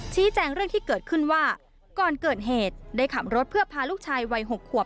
แจ้งเรื่องที่เกิดขึ้นว่าก่อนเกิดเหตุได้ขับรถเพื่อพาลูกชายวัย๖ขวบ